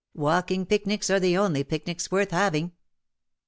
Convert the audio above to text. Walking picnics are the onl^" picnics worth having.